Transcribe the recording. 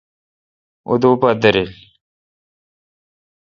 اہ دوہ پہ درل۔